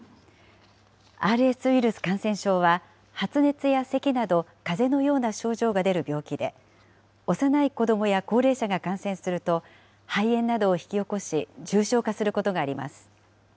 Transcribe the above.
ＲＳウイルス感染症は発熱やせきなど、かぜのような症状が出る病気で、幼い子どもや高齢者が感染すると、肺炎などを引き起こし、重症化することがあります。